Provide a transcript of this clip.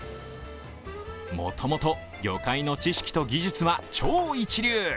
もともと魚介の知識と技術は超一流。